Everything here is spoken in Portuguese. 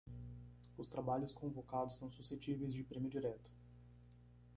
Os trabalhos convocados são suscetíveis de prêmio direto.